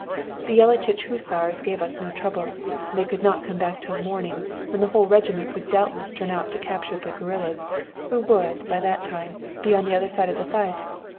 The Jellachich hussars gave us no trouble. They could not come back till morning, when the whole regiment would doubtless turn out to capture the guerillas, who would, by that time, be on the other side of the Theiss.